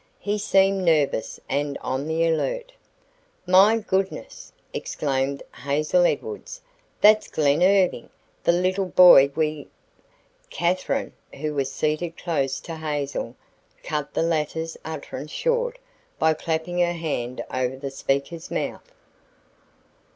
He seemed nervous and on the alert. "My goodness!" exclaimed Hazel Edwards; "that's Glen Irving, the little boy we " Katherine, who was seated close to Hazel, cut the latter's utterance short by clapping her hand over the speaker's mouth.